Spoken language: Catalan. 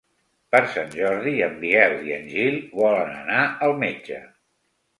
Per Sant Jordi en Biel i en Gil volen anar al metge.